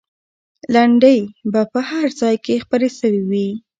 لنډۍ به په هر ځای کې خپرې سوې وي.